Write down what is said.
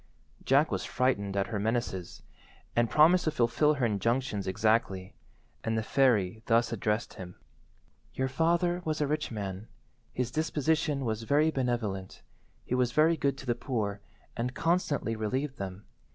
Jack was frightened at her menaces, and promised to fulfil her injunctions exactly, and the fairy thus addressed him— "Your father was a rich man. His disposition was very benevolent. He was very good to the poor, and constantly relieved them.